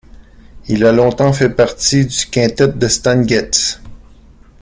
Il a longtemps fait partie du quintet de Stan Getz.